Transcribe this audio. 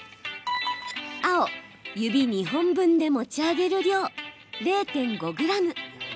青・指２本分で持ち上げる量０．５ｇ。